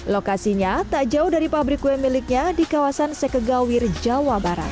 lokasinya tak jauh dari pabrik kue miliknya di kawasan sekegawir jawa barat